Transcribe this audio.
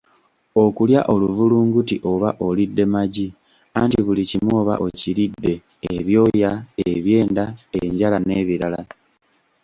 "Okulya oluvulunguti oba olidde magi anti buli kimu oba okiridde ebyoya, ebyenda, enjala n’ebirala"